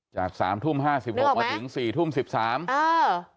จาก๓ทุ่ม๕๖นาทีมาถึง๔ทุ่ม๑๓นาที